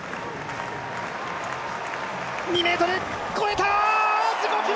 ２ｍ、越えた！